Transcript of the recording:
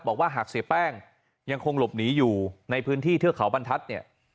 บอกว่าหากเสียแป้งยังคงหลบหนีอยู่ในพื้นที่เทือกเขาบรรทัศน์เนี่ย